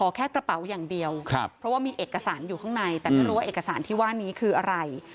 แค่กระเป๋าอย่างเดียวเพราะว่ามีเอกสารอยู่ข้างในแต่ไม่รู้ว่าเอกสารที่ว่านี้คืออะไร